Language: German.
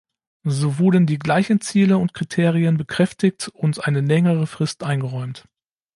So wurden die gleichen Ziele und Kriterien bekräftigt und eine längere Frist eingeräumt.